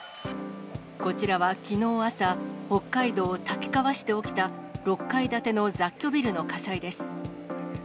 こちらはきのう朝、北海道滝川市で起きた６階建ての雑居ビルの火災です。